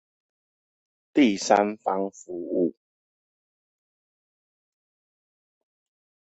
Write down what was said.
第三方服務